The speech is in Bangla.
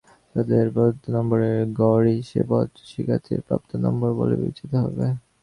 তাঁদের প্রদত্ত নম্বরের গড়ই সে পত্রে পরীক্ষার্থীর প্রাপ্ত নম্বর বলে বিবেচিত হবে।